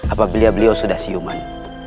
apabila beliau sudah siuman